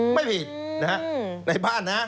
ไม่ผิดในบ้านน่ะ